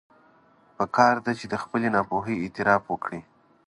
پکار ده چې د خپلې ناپوهي اعتراف وکړي.